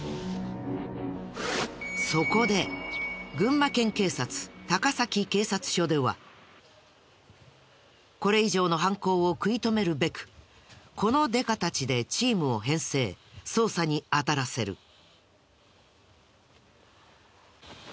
そこで群馬県警察高崎警察署ではこれ以上の犯行を食い止めるべくこの刑事たちでチームを編成捜査に当たらせる。